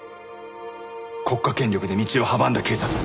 国家権力で道を阻んだ警察。